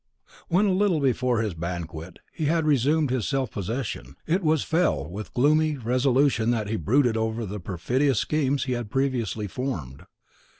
When, a little before his banquet, he had resumed his self possession, it was with a fell and gloomy resolution that he brooded over the perfidious schemes he had previously formed.